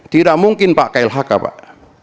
tidak mungkin pak klhk pak